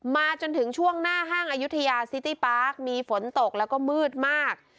มาจนถึงช่วงหน้าห้างอายุทยาซิตี้ปาร์คมีฝนตกแล้วก็มืดมาก